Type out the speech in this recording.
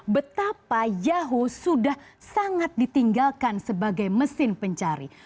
betapa yahoo sudah sangat ditinggalkan sebagai mesin pencari